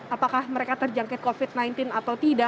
apakah mereka terjangkit covid sembilan belas atau tidak